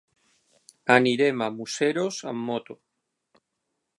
Anirem a Museros amb moto.